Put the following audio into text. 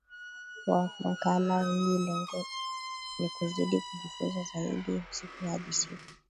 wa makala hii Lengo ni kuzidi kujifunza Zaidi siku hadi siku